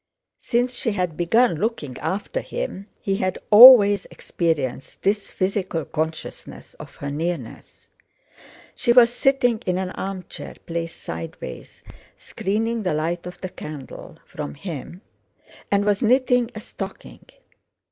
Since she had begun looking after him, he had always experienced this physical consciousness of her nearness. She was sitting in an armchair placed sideways, screening the light of the candle from him, and was knitting a stocking.